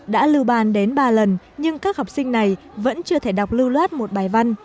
đã lưu bàn đến ba lần nhưng các học sinh này vẫn chưa thể đọc lưu loát một bài văn